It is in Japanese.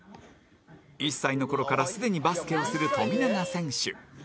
１歳の頃からすでにバスケをする富永選手